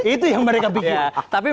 itu yang mereka pikir tapi